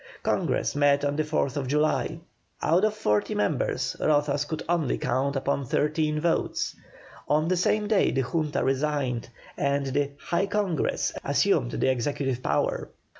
Congress met on the 4th July. Out of forty members Rozas could only count upon thirteen votes. On the same day the Junta resigned, and the "High Congress" assumed the executive power.